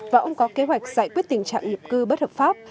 và ông có kế hoạch giải quyết tình trạng nhập cư bất hợp pháp